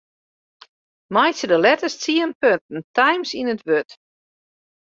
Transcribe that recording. Meitsje de letters tsien punten Times yn it wurd.